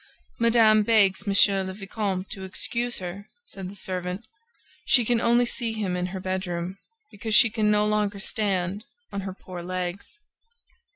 "Madame begs Monsieur le Vicomte to excuse her," said the servant. "She can only see him in her bedroom, because she can no longer stand on her poor legs."